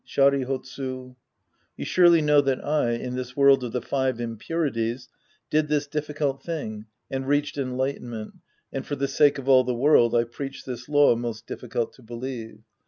Sharihotsu. You surely know that I, in this world of the five impurities, did this difficult thing and reached enlighteimient, and for the sake of all the world, I preach this law most difficult to believe.